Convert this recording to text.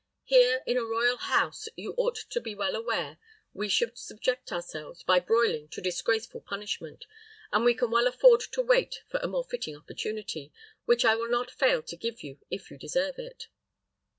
Here, in a royal house, you ought to be well aware we should subject ourselves, by broiling, to disgraceful punishment, and we can well afford to wait for a more fitting opportunity, which I will not fail to give you, if you desire it."